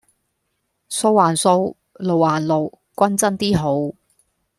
數還數；路還路，均真 D 好